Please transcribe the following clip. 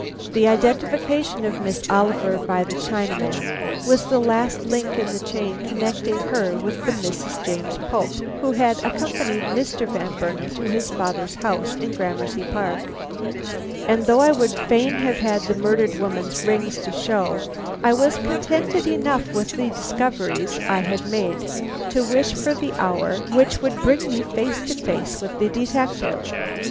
The identification of Miss Oliver by the Chinaman was the last link in the chain connecting her with the Mrs. James Pope who had accompanied Mr. Van Burnam to his father's house in Gramercy Park, and though I would fain have had the murdered woman's rings to show, I was contented enough with the discoveries I had made to wish for the hour which would bring me face to face with the detective.